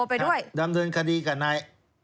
ไปด้วยดำเนินคดีกับนาย